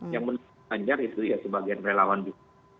yang menurut saya kanjar itu ya sebagian relawan jokowi